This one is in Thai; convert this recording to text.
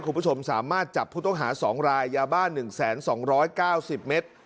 คุณผู้ชมสามารถจับผู้ต้องหา๒รายยาบ้า๑๒๙๐เมตร